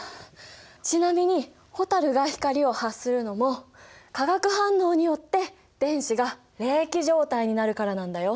ちなみに蛍が光を発するのも化学反応によって電子が励起状態になるからなんだよ。